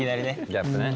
ギャップね。